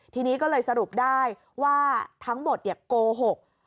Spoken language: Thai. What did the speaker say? ทีนี้ก็เลยสรุปได้ว่าทั้งหมดโกหก